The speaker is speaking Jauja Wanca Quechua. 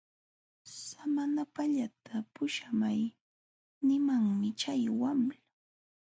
Samanapatallata puśhamay nimanmi chay wamla.